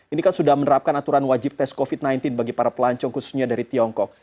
ini kan sudah menerapkan aturan wajib tes covid sembilan belas bagi para pelancong khususnya dari tiongkok